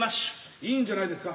いいんじゃないですか。